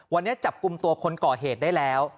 วันนี้จับกลุ่มตัวคนก่อเหตุได้แล้ว